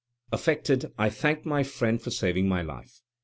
Affected, I thanked my friend for saving my life.